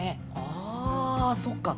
ああそっか。